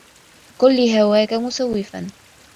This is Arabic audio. كُنْ لِهَوَاك مُسَوِّفًا